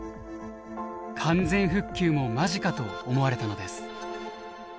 完全復旧も間近と思われたのです。